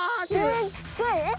すっごいえ！？